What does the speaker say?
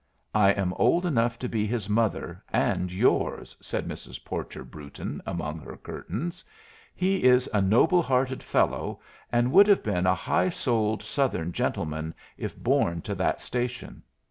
"I am old enough to be his mother, and yours," said Mrs. Porcher Brewton among her curtains. "He is a noble hearted fellow, and would have been a high souled Southern gentleman if born to that station.